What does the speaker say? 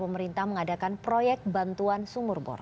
pemerintah mengadakan proyek bantuan sumur bor